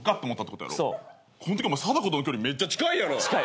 このとき貞子との距離めっちゃ近いやろ。